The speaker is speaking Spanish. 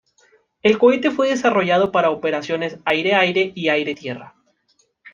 El cohete fue desarrollado para operaciones aire-aire y aire-tierra.